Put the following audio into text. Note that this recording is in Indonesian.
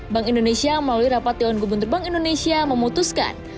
bank indonesia melalui rapat dewan gubernur bank indonesia memutuskan